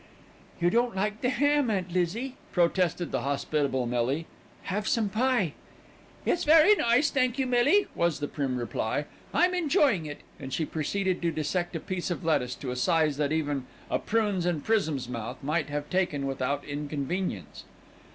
"You don't like the ham, Aunt Lizzie," protested the hospitable Millie; "have some pie." "It's very nice, thank you, Millie," was the prim reply. "I'm enjoying it," and she proceeded to dissect a piece of lettuce to a size that even a "prunes and prisms" mouth might have taken without inconvenience.